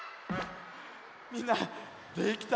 みんなできた？